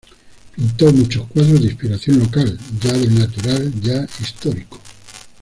Pintó muchos cuadros de inspiración local, ya del natural, ya histórico.